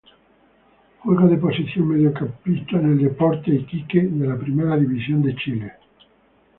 Juega de posición Mediocampista en el Deportes Iquique de la Primera División de Chile.